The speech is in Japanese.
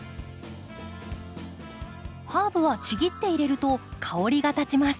ハーブはちぎって入れると香りがたちます。